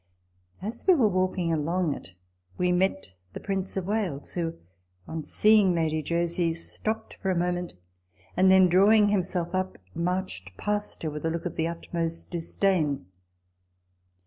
As"we were walking along it, we met the Prince of Wales, who, on seeing Lady Jersey, stopped for a moment, and then, drawing himself up, marched past her with a look of the utmost disdain.